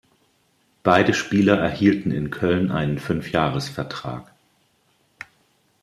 Beide Spieler erhielten in Köln einen Fünfjahresvertrag.